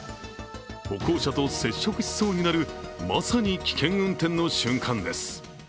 歩行者と接触しそうになる、まさに危険運転の瞬間です。